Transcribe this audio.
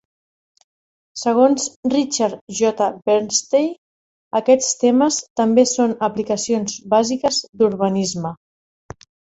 Segons Richard J. Bernstein, "aquests temes també són aplicacions bàsiques d'urbanisme".